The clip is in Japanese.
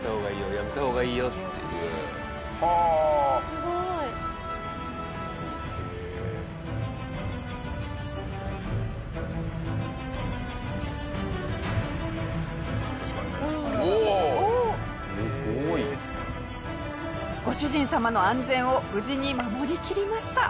すごい！下平：ご主人様の安全を無事に守りきりました。